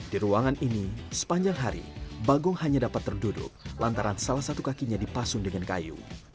di ruangan ini sepanjang hari bagong hanya dapat terduduk lantaran salah satu kakinya dipasung dengan kayu